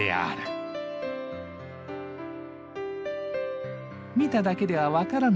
見ただけでは分からない香り。